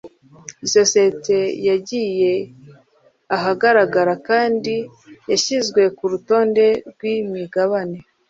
isosiyete yagiye ahagaragara kandi yashyizwe ku rutonde rw'imigabane